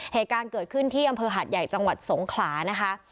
เหตุการณ์เกิดขึ้นที่อำเภอหาดใหญ่จังหวัดสงขลานะคะ